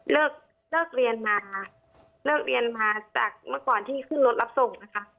เลิกเลิกเรียนมาเลิกเรียนมาจากเมื่อก่อนที่ขึ้นรถรับส่งนะคะ